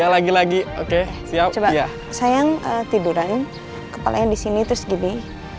lagi lagi oke siap sayang tiduran kepalanya disini terus gini